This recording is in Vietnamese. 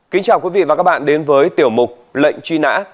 kính chào quý vị và các bạn đến với tiểu mục lệnh truy nã